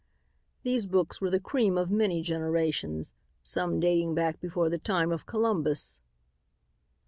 "These books were the cream of many generations, some dating back before the time of Columbus."